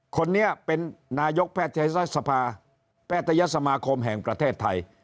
คนนี้เป็นนายกแพทยศภาแพทยศมาคมแห่งประเทศไทย